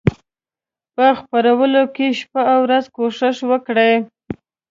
په خپرولو کې شپه او ورځ کوښښ وکړي.